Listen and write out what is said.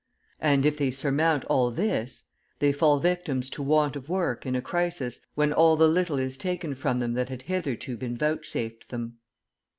And if they surmount all this, they fall victims to want of work in a crisis when all the little is taken from them that had hitherto been vouchsafed them.